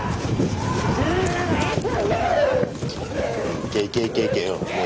いけいけいけいけうん。